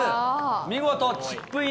見事チップイン